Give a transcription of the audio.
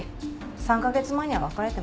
３カ月前には別れてます。